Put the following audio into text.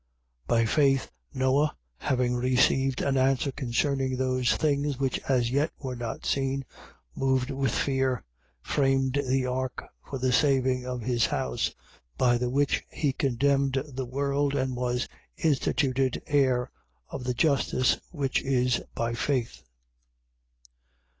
11:7. By faith Noe, having received an answer concerning those things which as yet were not seen, moved with fear, framed the ark for the saving of his house: by the which he condemned the world and was instituted heir of the justice which is by faith.